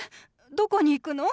どこに行くの？